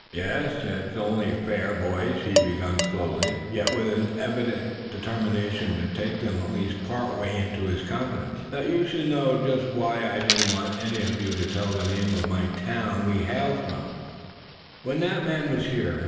"Yes, it's only fair, boys," he began, slowly yet with an evident determination to take them at least part way into his confidence; "that you should know just why I didn't want any of you to tell the name of the town we hailed from, when that man was in here.